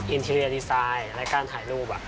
อินทีเรียดีไซน์และการถ่ายรูป